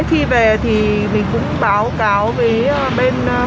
khi về thì mình cũng báo cáo với bên tổ trưởng